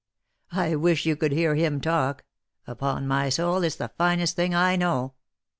I wish you could hear him talk ; upon my soul, it's the finest thing I know.